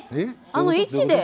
あの位置で？